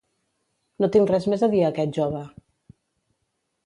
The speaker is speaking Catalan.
No tinc res més a dir a aquest jove!